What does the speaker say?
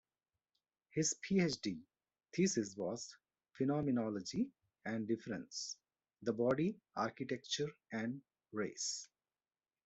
His PhD thesis was "Phenomenology and Difference: the Body, Architecture and Race".